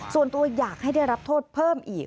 ส่วนตัวอยากให้ได้รับโทษเพิ่มอีก